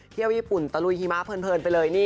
เที่ยวญี่ปุ่นตะลุยหิมะเพลินไปเลยนี่